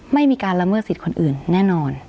ไม่มีการระเมืองศิษย์คนอื่นแน่นอน